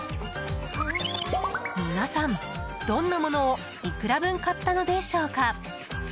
皆さん、どんなものをいくら分、買ったのでしょうか。